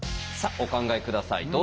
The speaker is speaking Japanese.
さあお考え下さい。